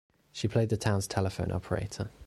She played the town's telephone operator.